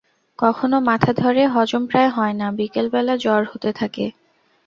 কখনো মাথা ধরে, হজম প্রায় হয় না, বিকেলবেলা জ্বর হতে থাকে।